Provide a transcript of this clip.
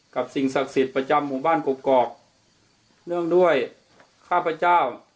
สิ่งศักดิ์สิทธิ์ประจำหมู่บ้านกอกเนื่องด้วยข้าพเจ้า